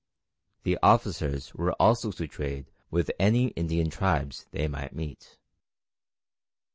The officers were also to trade with any Indian tribes they might meet.